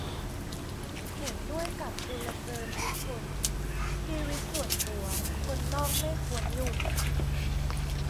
เห็นด้วยกับจุลเจิม ยุคล ชีวิตส่วนตัว คนนอกไม่ควรยุ่ง